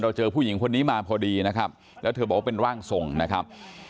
เจอผู้หญิงคนนี้มาพอดีนะครับแล้วเธอบอกว่าเป็นร่างทรงนะครับ